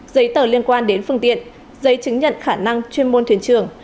giấy tờ liên quan đến phương tiện giấy chứng nhận khả năng chuyên môn thuyền trưởng